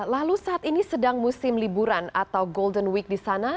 lalu saat ini sedang musim liburan atau golden week di sana